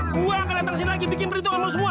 gua akan datang sini lagi bikin perintah sama lu semua